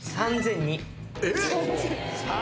えっ！